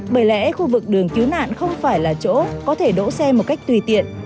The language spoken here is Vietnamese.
bởi lẽ khu vực đường cứu nạn không phải là chỗ có thể đỗ xe một cách tùy tiện